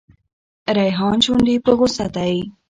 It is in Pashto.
ریحان شونډو په غوسه دی.